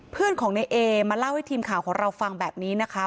เพื่อนของในเอมาเล่าให้ทีมข่าวของเราฟังแบบนี้นะคะ